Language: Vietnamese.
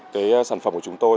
cái sản phẩm của chúng tôi